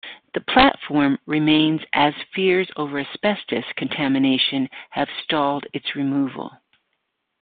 The platform remains, as fears over asbestos contamination have stalled its removal.